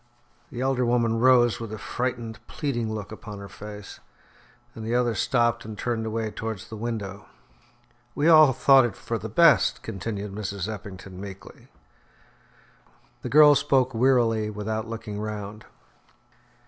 The elder woman rose, with a frightened pleading look upon her face, and the other stopped and turned away towards the window. "We all thought it for the best," continued Mrs. Eppington meekly. The girl spoke wearily without looking round.